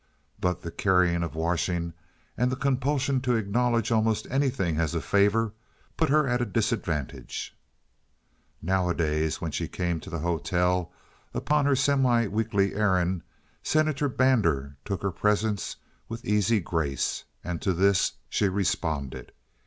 But the carrying of washing and the compulsion to acknowledge almost anything as a favor put her at a disadvantage. Nowadays when she came to the hotel upon her semi weekly errand Senator Brander took her presence with easy grace, and to this she responded.